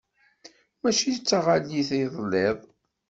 Mačči d taɣallit i telliḍ?